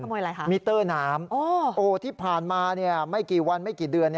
อะไรคะมิเตอร์น้ำที่ผ่านมาไม่กี่วันไม่กี่เดือน